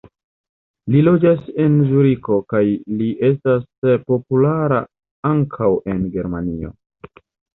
Li loĝas en Zuriko kaj li estas populara ankaŭ en Germanio.